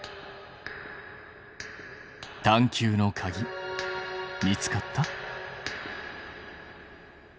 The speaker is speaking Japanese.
探究のかぎ見つかった？